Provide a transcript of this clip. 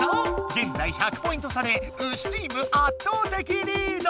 げんざい１００ポイント差でウシチーム圧倒的リード！